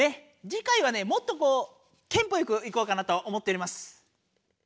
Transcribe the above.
次回はねもっとこうテンポよくいこうかなと思っております。